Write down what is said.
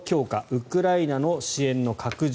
ウクライナの支援の拡充